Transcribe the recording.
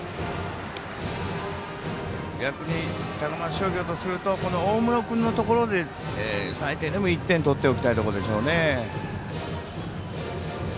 逆に高松商業とすると大室君のところで最低でも１点を取っておきたいところでしょうね。